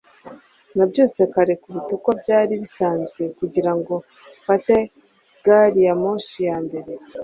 Nabyutse kare kuruta uko byari bisanzwe kugira ngo mfate gari ya moshi ya mbere